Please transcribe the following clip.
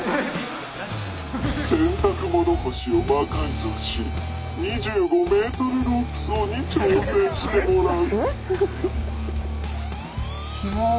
「洗濯物干しを魔改造し２５ｍロープ走に挑戦してもらう」。